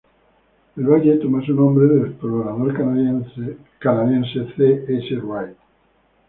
El valle toma su nombre del explorador canadiense C. S. Wright.